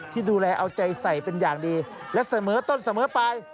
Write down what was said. ที่ดูแลเอาใจใส่เป็นอย่างดีและเสมอต้นเสมอไป